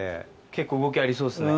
結構動きありそうですね。